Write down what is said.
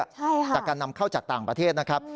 ใช่ค่ะจากการนำเข้าจากต่างประเทศนะครับ